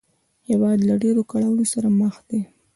هېواد له ډېرو کړاوونو سره مخ دی